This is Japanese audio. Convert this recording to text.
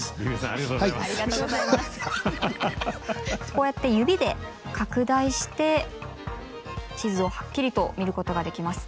こうやって指で拡大して地図をはっきりと見ることができます。